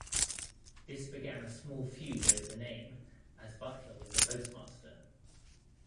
This began a small feud over the name, as Butler was the postmaster.